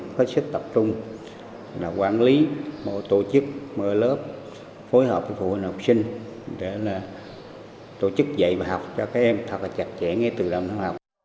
chúng ta cần hết sức tập trung là quản lý mở tổ chức mở lớp phối hợp với phụ huynh học sinh để là tổ chức dạy và học cho các em thật là chặt chẽ nghe từ lòng học